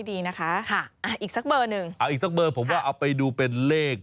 อีกสักเบอร์ผมว่าเอาไปดูเป็นเลข